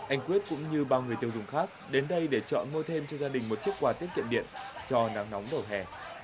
anh quyết cũng như bao người tiêu dùng khác đến đây để chọn mua thêm cho gia đình một chiếc quà tiết kiệm điện cho nắng nóng đầu hè